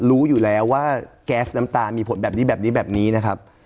รู้อยู่แล้วว่าแก๊สน้ำตามีผลแบบนี้แบบนี้แบบนี้นะครับ